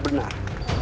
aku akan pulih